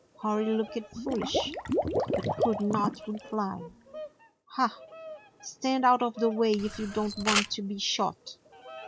Hori looked foolish, but could not reply. "Ah! "Stand out of the way if you don't want to be shot!"